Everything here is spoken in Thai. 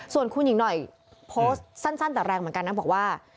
ส่วนคุณหญิงหน่อยโพสต์สั้นแต่แรงเหมือนกันนะบอกว่า